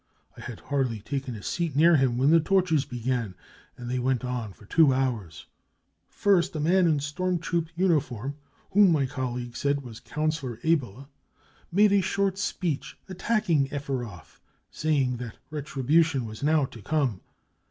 I had hardly taken a seat near him when the tortures began, and they went on for two hours. c< First a man in storm troop uniform, whom my colleague said was Councillor Ebele, made a short speech attack ing Efferoth, saying that retribution was now to come.